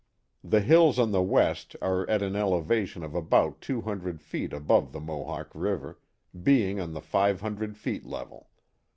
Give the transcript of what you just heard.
The hills on the west are at an elevation of about two hundred feet above the Mohawk River, being on the five hundred feet level.